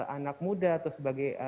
anak muda atau sebagai